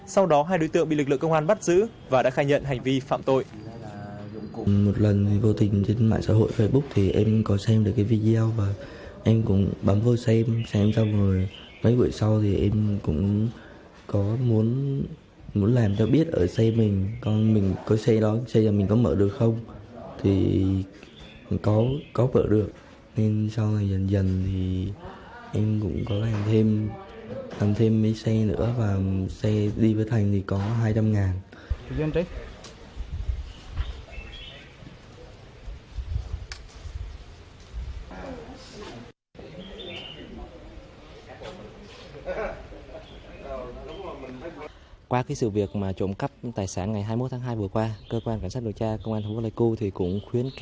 sau đó hai đối tượng bị lực lượng công an bắt giữ và đã khai nhận hành vi hai nhẫn vàng trị giá hơn ba triệu năm trăm linh ngàn đồng một mươi hai nhẫn vàng trị giá hơn ba triệu năm trăm linh ngàn đồng một mươi hai nhẫn vàng trị giá hơn ba triệu năm trăm linh ngàn đồng một mươi ba nhẫn vàng trị giá hơn ba triệu năm trăm linh ngàn đồng